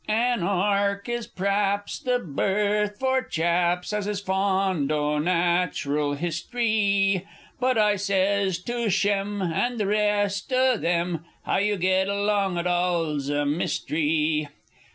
An Ark is p'raps The berth for chaps As is fond o' Natural Hist'ry. But I sez to Shem And the rest o' them, "How you get along at all's a myst'ry!